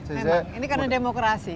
ini karena demokrasi